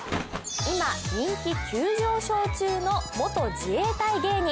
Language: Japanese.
今人気急上昇中の元自衛隊芸人。